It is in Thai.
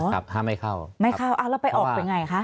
ครับห้ามไม่เข้าไม่เข้าแล้วไปออกเป็นไงคะ